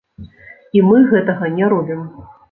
І мы гэтага не робім.